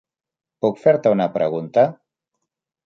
Puc fer-te una pregunta?